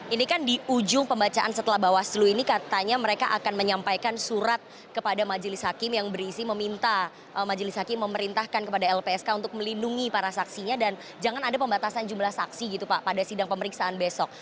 ini kan di ujung pembacaan setelah bawaslu ini katanya mereka akan menyampaikan surat kepada majelis hakim yang berisi meminta majelis hakim memerintahkan kepada lpsk untuk melindungi para saksinya dan jangan ada pembatasan jumlah saksi gitu pak pada sidang pemeriksaan besok